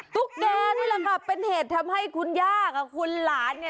ตุ๊กแกที่หลังกลับเป็นเหตุทำให้คุณย่ากับคุณหลาน